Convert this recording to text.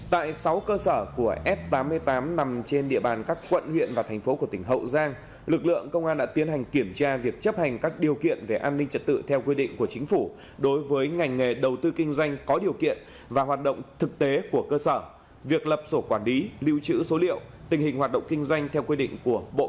tại sáu cơ sở của f tám mươi tám nằm trên địa bàn các quận huyện và thành phố của tỉnh hậu giang lực lượng công an đã tiến hành kiểm tra việc chấp hành các điều kiện về an ninh trật tự theo quy định của chính phủ đối với ngành nghề đầu tư kinh doanh có điều kiện và hoạt động thực tế của cơ sở việc lập sổ quản lý lưu trữ số liệu tình hình hoạt động kinh doanh theo quy định của bộ